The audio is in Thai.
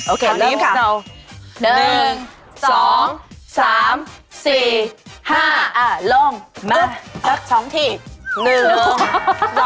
โอเคเริ่มค่ะ